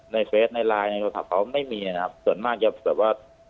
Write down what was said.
เฟสในไลน์ในโทรศัพท์เขาไม่มีนะครับส่วนมากจะแบบว่า